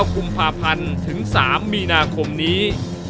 กุมภาพันธ์ถึง๓มีนาคมนี้